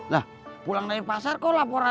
nah pulang dari pasar kok laporan sama lo